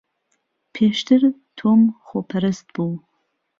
پێشتر تۆم خۆپەرست بوو.